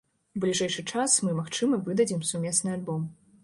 У бліжэйшы час мы, магчыма, выдадзім сумесны альбом.